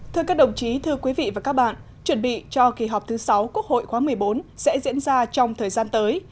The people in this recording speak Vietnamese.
thưa các đồng chí thưa quý vị và các bạn chuẩn bị cho kỳ họp thứ sáu quốc hội khóa một mươi bốn sẽ diễn ra trong thời gian tới